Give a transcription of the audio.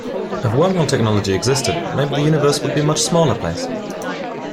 If wormhole technology existed maybe the universe would be a much smaller place.